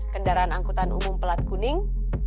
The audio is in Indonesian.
kendaraan angkutan umum pelat kuning